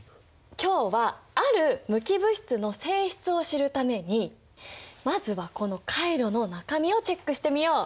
今日はある無機物質の性質を知るためにまずはこのカイロの中身をチェックしてみよう！